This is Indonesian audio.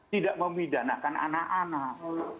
tidak memidanakan anak anak